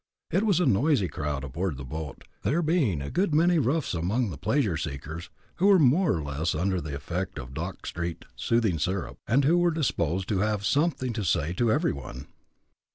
It was a noisy crowd aboard the boat, there being a good many roughs among the pleasure seekers, who were more or less under the effect of Dock Street "soothing syrup," and who were disposed to have something to say to every one.